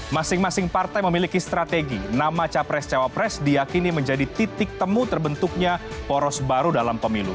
masing masing partai memiliki strategi nama capres cawapres diakini menjadi titik temu terbentuknya poros baru dalam pemilu